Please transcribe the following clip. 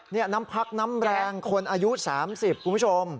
นี่น้ำพักน้ำแรงคนอายุ๓๐คุณผู้ชม